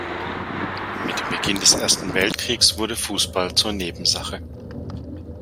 Mit dem Beginn des Ersten Weltkriegs wurde Fußball zur Nebensache.